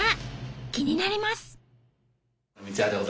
気になります。